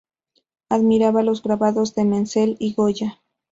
Admiraba los grabados de Menzel y Goya.